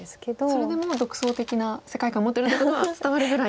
それでも独創的な世界観持ってるっていうことは伝わるぐらい。